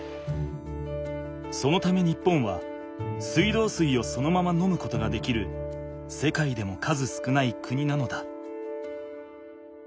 そのため日本は水道水をそのまま飲むことができる世界でも数少ない国なのだ。